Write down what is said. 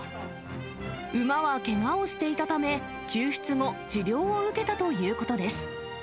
馬はけがをしていたため、救出後、治療を受けたということです。